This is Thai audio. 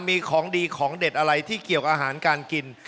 มีของดีของเด็ดอะไรที่เกี่ยวอาหารการกิน